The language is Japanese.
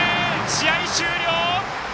試合終了！